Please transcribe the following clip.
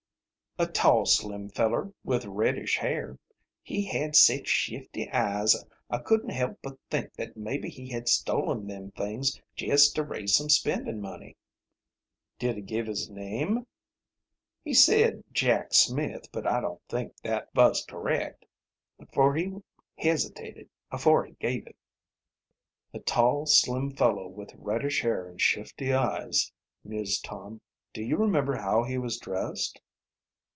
"A tall, slim feller, with reddish hair. He had sech shifty eyes I couldn't help but think that maybe he had stolen them things jest to raise some spending money." "Did he give his name?" "He said Jack Smith, but I don't think thet vas correct, for he hesitated afore he gave it." "A tall, slim fellow, with reddish hair and shifty eyes," mused Tom. "Do you remember how he was dressed?"